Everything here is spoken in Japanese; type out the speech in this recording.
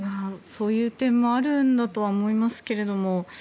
そういう点もあるんだと思いますけど。